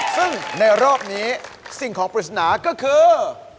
ซึ่งในรอบนี้สิ่งของปริศนาก็คือ